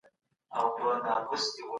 ساحوي مطالعې ته ولي ډېره اړتیا لیدل کیږي؟